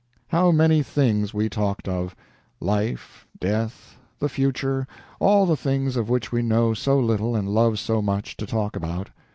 How many things we talked of! Life, death, the future all the things of which we know so little and love so much to talk about.